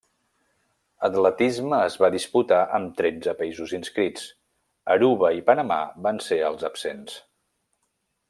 Atletisme es va disputar amb tretze països inscrits —Aruba i Panamà van ser els absents—.